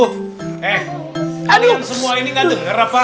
mending kita tidur aja